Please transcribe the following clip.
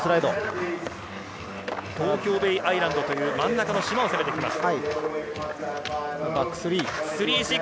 東京ベイアイランドという真ん中の島を攻めてきました。